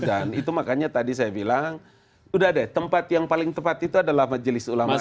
dan itu makanya tadi saya bilang udah deh tempat yang paling tepat itu adalah majelis ulama indonesia